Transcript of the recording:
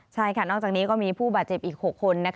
ใช่ค่ะนอกจากนี้ก็มีผู้บาดเจ็บอีก๖คน